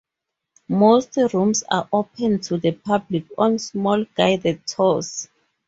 Most rooms are open to the public on small, guided tours.